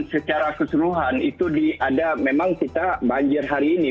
secara keseluruhan itu ada memang kita banjir hari ini